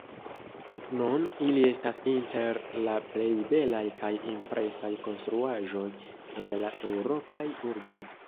Nun ili estas inter la plej belaj kaj impresaj konstruaĵoj en la Eŭropaj urboj.